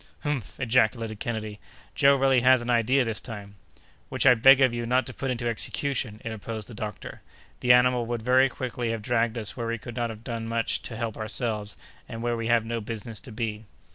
"Humph!" ejaculated Kennedy, "Joe really has an idea this time—" "Which I beg of you not to put into execution," interposed the doctor. "The animal would very quickly have dragged us where we could not have done much to help ourselves, and where we have no business to be."